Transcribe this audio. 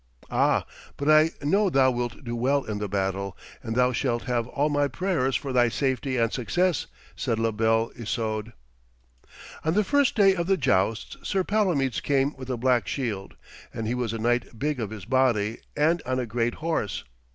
'Ah, but I know thou wilt do well in the battle, and thou shalt have all my prayers for thy safety and success,' said La Belle Isoude. On the first day of the jousts Sir Palomides came with a black shield, and he was a knight big of his body and on a great horse.